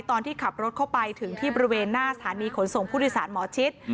ตอนที่ขับรถเข้าไปถึงที่บริเวณหน้าสถานีขนส่งผู้โดยสารหมอชิด